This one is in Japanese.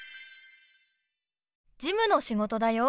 事務の仕事だよ。